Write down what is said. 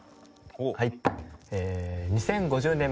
２０５０年。